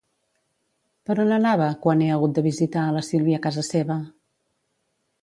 Per on anava quan he hagut de visitar a la Sílvia a casa seva?